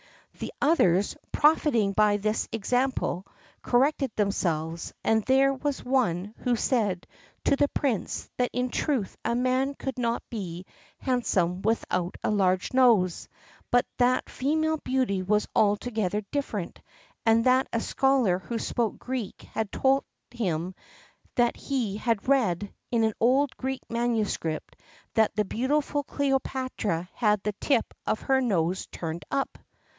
The others, profiting by this example, corrected themselves, and there was one who said to the Prince, that in truth a man could not be handsome without a large nose, but that female beauty was altogether different, and that a scholar who spoke Greek had told him that he had read, in an old Greek manuscript, that the beautiful Cleopatra had the tip of her nose turned up.